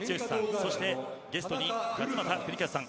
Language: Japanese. そしてゲストに勝俣州和さん。